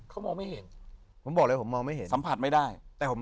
ก็สัมผัสไม่ได้